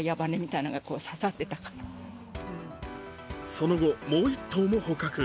その後、もう１頭も捕獲。